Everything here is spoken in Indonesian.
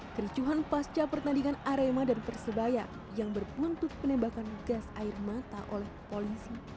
kericuhan pasca pertandingan arema dan persebaya yang berbuntut penembakan gas air mata oleh polisi